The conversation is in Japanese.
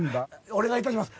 お願いいたします。